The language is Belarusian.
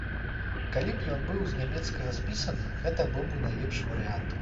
Калі б ён быў з нямецкага спісаны, гэта быў бы найлепшы варыянт.